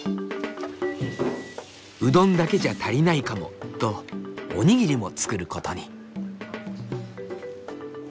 「うどんだけじゃ足りないかも」とおにぎりも作ることに。